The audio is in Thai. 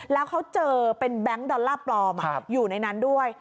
แล้วเขาเจอเป็นแบงค์ดอลลาร์ปลอมอยู่ในนั้นด้วย